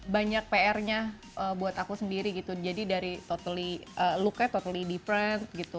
banyak pr nya buat aku sendiri gitu jadi dari totally looket totally defense gitu